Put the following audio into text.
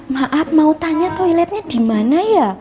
maaf mau tanya toiletnya dimana ya